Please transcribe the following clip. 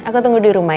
aku tunggu di rumah ya